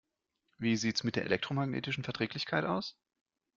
Wie sieht es mit der elektromagnetischen Verträglichkeit aus?